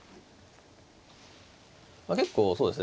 結構そうですね